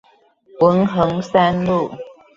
文橫三路